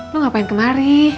lu ngapain kemari